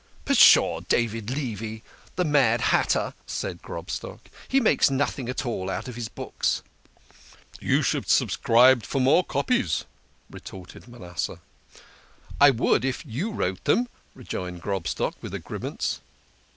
" Pshaw ! David Levi ! The mad hatter !" cried Grob stock. " He makes nothing at all out of his books." "You should subscribe for more copies," retorted Ma nasseh. 50 THE KING OF SCHNORRERS. " I would if you wrote them," rejoined Grobstock, with a grimace.